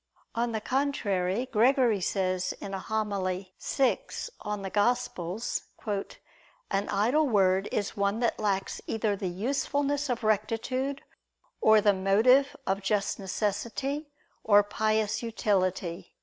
On the contrary, Gregory says in a homily (vi in Evang.): "An idle word is one that lacks either the usefulness of rectitude or the motive of just necessity or pious utility."